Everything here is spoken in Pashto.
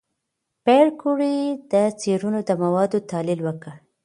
پېیر کوري د څېړنو د موادو تحلیل وکړ.